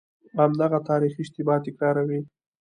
همدغه تاریخي اشتباه تکراروي.